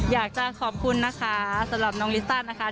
อยากจะขอบคุณนะคะสำหรับน้องลิซ่านะคะ